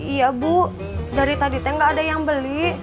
iya bu dari tadi teh nggak ada yang beli